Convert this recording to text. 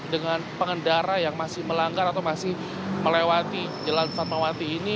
dengan pengendara yang masih melanggar atau masih melewati jalan fatmawati ini